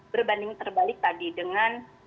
berbanding terbalik tadi dengan